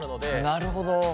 なるほど。